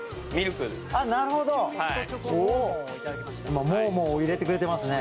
今モモを入れてくれてますね。